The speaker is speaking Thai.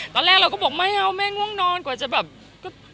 ตอนแรกเราก็บอกไม่เอาแม่ง่วงนอนกว่าจะแบบ